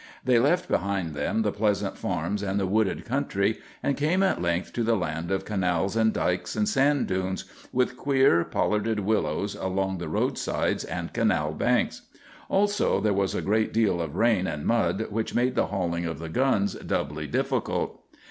They left behind them the pleasant farms and the wooded country and came at length to the land of canals and dykes and sand dunes, with queer, pollarded willows along the roadsides and canal banks. Also there was a great deal of rain and mud which made the hauling of the guns doubly difficult.